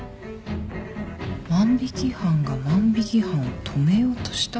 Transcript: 万引犯が万引犯を止めようとした？